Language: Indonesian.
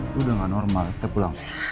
lo udah gak normal kita pulang